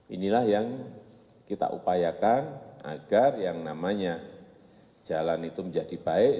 inilah yang kita upayakan agar yang namanya jalan itu menjadi baik